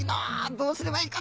どうすればいいかな？